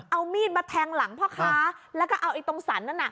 เอามีดมาแทงหลังพ่อค้าแล้วก็เอาไอ้ตรงสรรนั่นน่ะ